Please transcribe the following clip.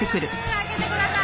開けてください。